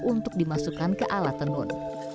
untuk dimasukkan ke alat tenun